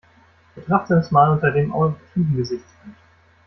Betrachte es mal unter dem auditiven Gesichtspunkt.